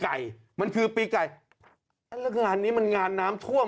ไก่มันคือปีไก่แล้วงานนี้มันงานน้ำท่วม